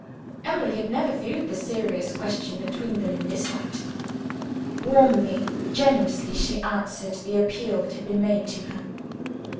Emily had never viewed the serious question between them in this light. Warmly, generously, she answered the appeal that had been made to her.